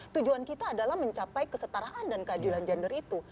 tujuan kita adalah mencapai kesetaraan dan keadilan gender itu